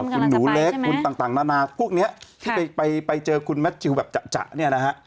คุณหนูเล็กคุณต่างนานาพวกนี้ที่ไปเจอคุณแมททิวแบบจะเนี่ยนะฮะ